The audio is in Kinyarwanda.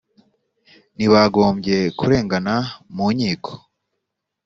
ntibagombye kuregana mu nkiko